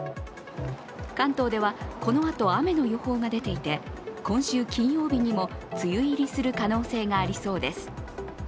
関東では、このあと雨の予報が出ていて今週金曜日にも梅雨入りする可能性がありそうです。